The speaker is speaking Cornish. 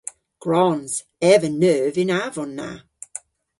Gwrons. Ev a neuv y'n avon na.